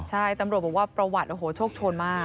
ใช่ตำรวจบอกว่าประวัติโอ้โหโชคโชนมาก